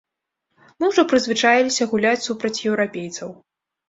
Мы ўжо прызвычаіліся гуляць супраць еўрапейцаў.